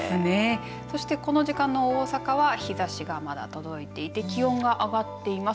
そしてこの時間の大阪は日ざしがまだ届いていて気温が上がっています。